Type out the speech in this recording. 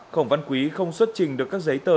khổng văn quý không xuất trình được các giấy tờ